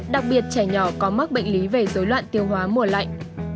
đặc biệt trẻ nhỏ có mắc bệnh lý về dối loạn tiêu hóa mùa lạnh